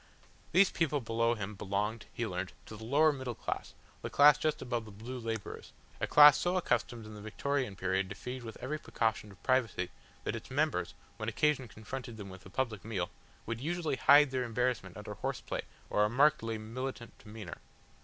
These people below him belonged, he learnt, to the lower middle class, the class just above the blue labourers, a class so accustomed in the Victorian period to feed with every precaution of privacy that its members, when occasion confronted them with a public meal, would usually hide their embarrassment under horseplay or a markedly militant demeanour.